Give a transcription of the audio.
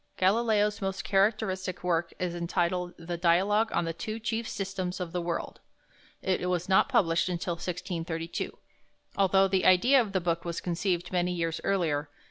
Galileo's most characteristic work is entitled the "Dialogue on the Two Chief Systems of the World." It was not published until 1632, although the idea of the book was conceived many years earlier.